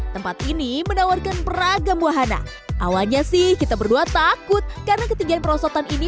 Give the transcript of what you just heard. tempat ini menawarkan beragam wahana awalnya sih kita berdua takut karena ketinggian perosotan ini